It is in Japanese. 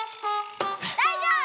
だいじょうぶ！